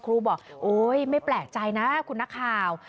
ครูบอกโอ๊ยไม่แปลกใจนะคุณนักข่าว